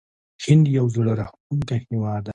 هند یو زړه راښکونکی هیواد دی.